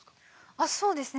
あそうですね。